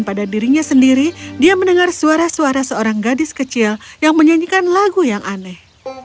pada dirinya sendiri dia mendengar suara suara seorang gadis kecil yang menyanyikan lagu yang aneh